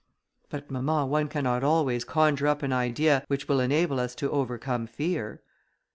"But, mamma, one cannot always conjure up an idea which will enable us to overcome fear."